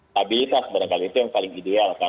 stabilitas dan itu yang paling ideal